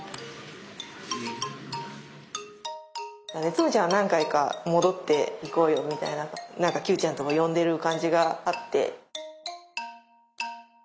つむちゃんは何回か戻って「行こうよ」みたいな何かキュウちゃんを呼んでる感じがあって。